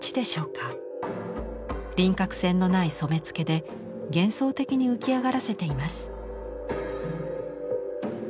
輪郭線のない染付で幻想的に浮き上がらせています。